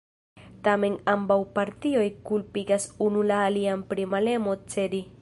Tamen ambaŭ partioj kulpigas unu la alian pri malemo cedi.